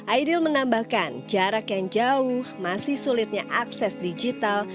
aidil menambahkan jarak yang jauh masih sulitnya akses digital